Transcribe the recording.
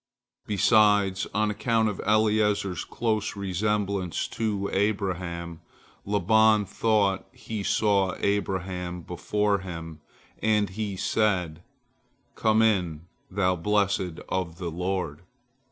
Besides, on account of Eliezer's close resemblance to Abraham, Laban thought he saw Abraham before him, and he said: "Come in, thou blessed of the Lord!